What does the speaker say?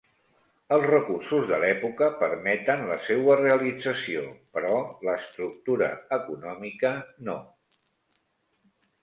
Els recursos de l'època permeten la seua realització, però l'estructura econòmica no.